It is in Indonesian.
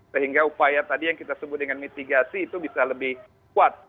sehingga upaya tadi yang kita sebut dengan mitigasi itu bisa lebih kuat